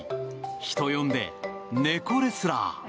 人呼んで猫レスラー。